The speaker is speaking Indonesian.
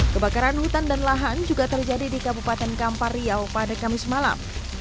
kebakaran hutan dan lahan juga terjadi di kabupaten kampar riau pada kamis malam